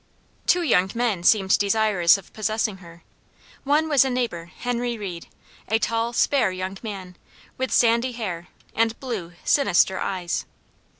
Two young men seemed desirous of possessing her. One was a neighbor, Henry Reed, a tall, spare young man, with sandy hair, and blue, sinister eyes.